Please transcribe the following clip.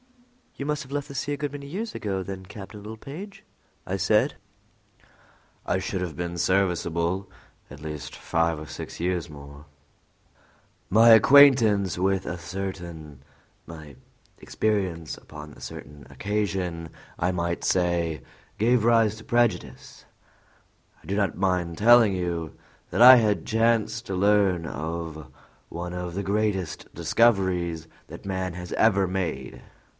"You must have left the sea a good many years ago, then, Captain Littlepage?" I said. "I should have been serviceable at least five or six years more," he answered. "My acquaintance with certain my experience upon a certain occasion, I might say, gave rise to prejudice. I do not mind telling you that I chanced to learn of one of the greatest discoveries that man has ever made."